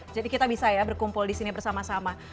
jadi kita bisa ya berkumpul di sini bersama sama